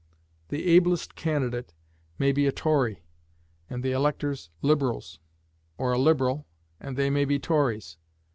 The ablest candidate may be a Tory, and the electors Liberals; or a Liberal, and they may be Tories.